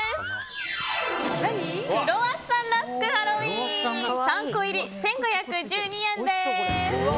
クロワッサンラスクハロウィン３個入り、１５１２円です。